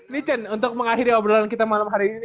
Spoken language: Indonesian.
nih chen untuk mengakhiri obrolan kita malam hari ini